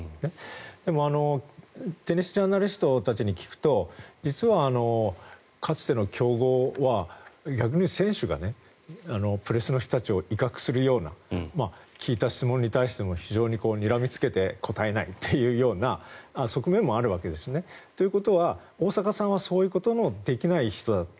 でもテニスジャーナリストたちに聞くと実はかつての強豪は逆に選手がプレスの人たちを威嚇するような聞いた質問に対しても非常ににらみつけて答えないというような側面もあるわけです。ということは大坂さんはそういうこともできない人だった。